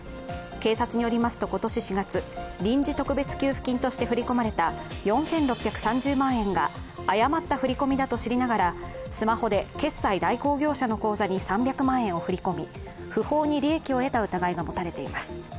警察によりますと、今年４月、臨時特別給付金として振り込まれた４６３０万円が誤った振込だと知りながらスマホで決済代行業者の口座に３００万円を振り込み、不法に利益を得た疑いが持たれています。